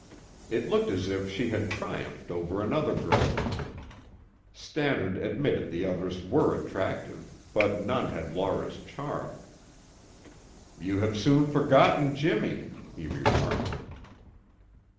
It looked as if she had triumphed over another girl; Stannard admitted the others were attractive, but none had Laura's charm. "You have soon forgotten Jimmy," he remarked.